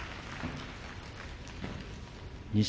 錦